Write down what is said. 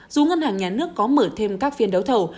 dù ngân hàng nhà nước có mở thêm các phiên đấu thầu